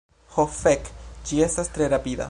Ho fek, ĝi estas tre rapida.